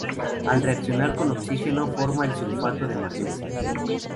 Al reaccionar con oxígeno forma el sulfato de magnesio.